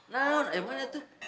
nahon ada mana itu